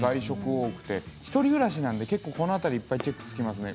多くて１人暮らしなんで結構この辺りいっぱいチェックつきますね。